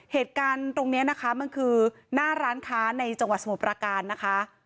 เหตุการณ์ตรงนี้นะคะมันคือหน้าร้านค้าในจังหวัดสมุทรประการนะคะ